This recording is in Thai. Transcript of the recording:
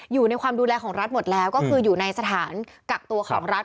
อยู่ในความดูแลของรัฐหมดแล้วก็คืออยู่ในสถานกักตัวของรัฐ